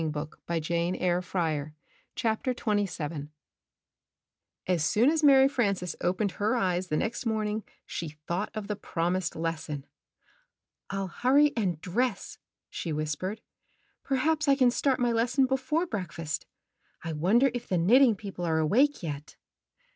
f Qood bye POINQ*IT'OVER'ii&/tIW S soon as Mary Frances opened her eyes the next morning she thought of the promised lesson. "ril hurry and dress," she whispered. ''Perhaps I can start my lesson before breakfast. I wonder if the Knitting People are awake yet?"